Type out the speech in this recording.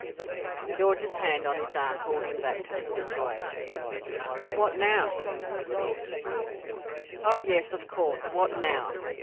George's hand on his arm pulled him back to the situation. "And what now?" said George. "Oh yes of course. What now?